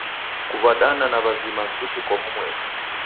Kuw'adana na w'azima suti kwa w'umweri.